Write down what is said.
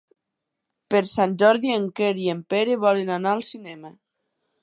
Per Sant Jordi en Quer i en Pere volen anar al cinema.